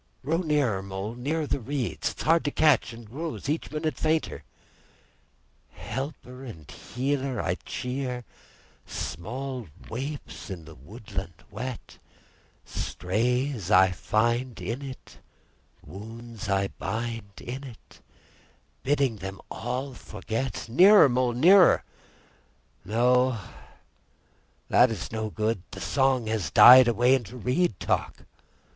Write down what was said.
_ Row nearer, Mole, nearer to the reeds! It is hard to catch, and grows each minute fainter. "_Helper and healer, I cheer—Small waifs in the woodland wet—Strays I find in it, wounds I bind in it—Bidding them all forget!_ Nearer, Mole, nearer! No, it is no good; the song has died away into reed talk."